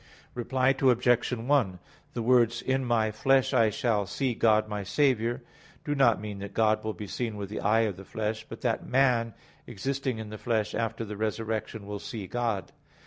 Reply Obj. 1: The words, "In my flesh I shall see God my Saviour," do not mean that God will be seen with the eye of the flesh, but that man existing in the flesh after the resurrection will see God.